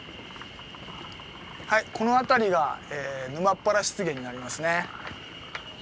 はいこの辺りが沼ッ原湿原になりますね。